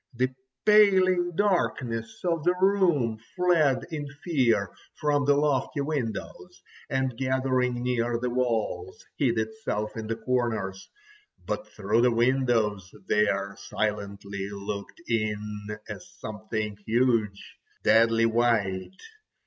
The paling darkness of the room fled in fear from the lofty windows, and gathering near the walls hid itself in the corners. But through the windows there silently looked in a something huge, deadly white.